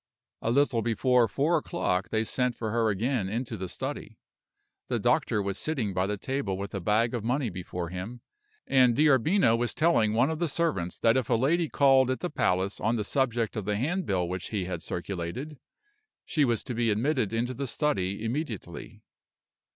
A little before four o'clock they sent for her again into the study. The doctor was sitting by the table with a bag of money before him, and D'Arbino was telling one of the servants that if a lady called at the palace on the subject of the handbill which he had circulated, she was to be admitted into the study immediately.